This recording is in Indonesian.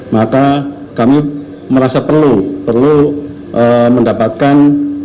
maka kami merasa perlu perlu mendapatkan